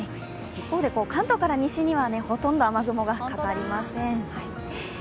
一方で、関東から西にはほとんど雨雲がかかりません。